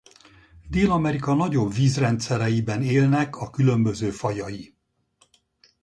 Dél-Amerika nagyobb vízrendszereiben élnek a különböző fajai.